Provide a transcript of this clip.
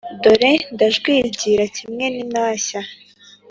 Dore ndajwigira kimwe n’intashya,